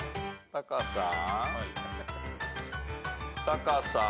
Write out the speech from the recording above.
タカさん？